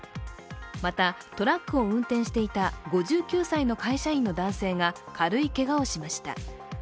また、トラックを運転していた５９歳の会社員の男性が軽いけがをしました。